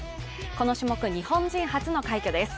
この種目、日本人初の快挙です。